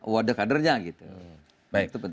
wada kadernya gitu